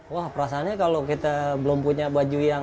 wah perasaannya kalau kita belum punya baju yang